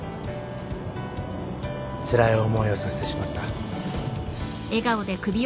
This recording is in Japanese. つらい思いをさせてしまった。